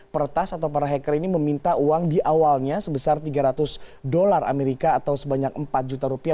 pertas atau para hacker ini meminta uang di awalnya sebesar tiga ratus dolar amerika atau sebanyak empat juta rupiah